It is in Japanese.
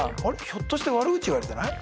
ひょっとして悪口言われてない？